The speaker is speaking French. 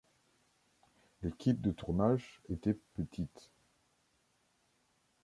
L’équipe de tournage était petite.